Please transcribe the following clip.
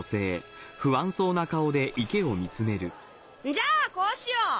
じゃあこうしよう！